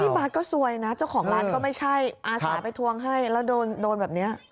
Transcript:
บาทก็ซวยนะเจ้าของร้านก็ไม่ใช่อาสาไปทวงให้แล้วโดนแบบนี้